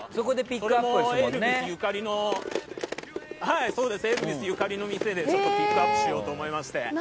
それもエルヴィスゆかりの店でピックアップしようと思いまして。